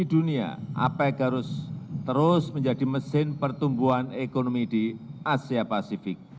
di dunia apec harus terus menjadi mesin pertumbuhan ekonomi di asia pasifik